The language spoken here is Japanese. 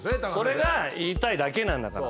それが言いたいだけなんだから。